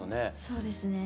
そうですね。